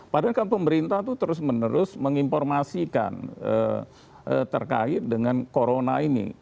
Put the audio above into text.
padahal kan pemerintah itu terus menerus menginformasikan terkait dengan corona ini